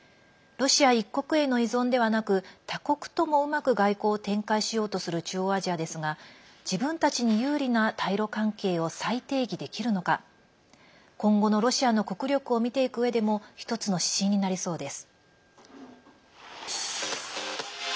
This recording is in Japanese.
ロシア一国への依存ではなく他国ともうまく外交を展開しようとする中央アジアですが自分たちに有利な対ロ関係を再定義できるのか今後のロシアの国力を見ていくうえでも１つの指針になりそうです。